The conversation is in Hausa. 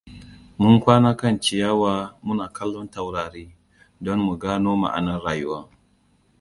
Mun kwana kan ciyawa muna kallon taurari, don mu gano ma'anar rayuwa.